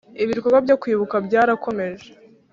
Ibikorwa byo Kwibuka byarakomeje.